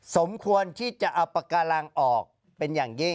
สมควรที่จะเอาปากการังออกเป็นอย่างยิ่ง